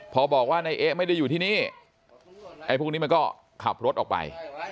พอบอกว่านายเอ๊ะไม่ได้อยู่ที่นี่ไอ้พวกนี้มันก็ขับรถออกไป